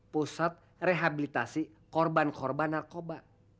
pusat rehabilitasi korban korban narkoba